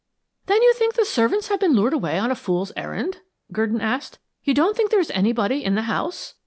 "Then you think the servants have been lured away on a fools' errand?" Gurdon asked. "You don't think there is anybody in the house?"